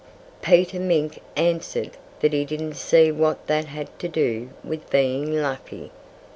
_" Peter Mink answered that he didn't see what that had to do with being lucky.